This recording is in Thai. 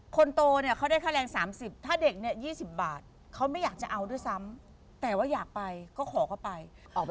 คนโตเขาได้ค่าแรงสามสิบถ้าเด็กยี่สิบบาทเขาไม่อยากจะเอาด้วยซ้ำแต่ว่าอยากไปก็ขอก็ไป